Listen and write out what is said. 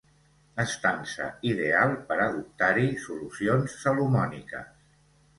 Estança ideal per adoptar-hi solucions salomòniques.